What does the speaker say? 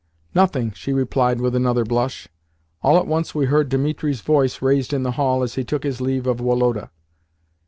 "Nothing," she replied with another blush. All at once we heard Dimitri's voice raised in the hall as he took his leave of Woloda.